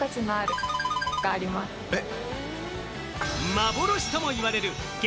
幻とも言われる激